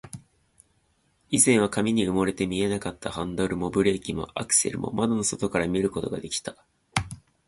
以前は紙に埋もれて見えなかったハンドルも、ブレーキも、アクセルも、窓の外から見ることができた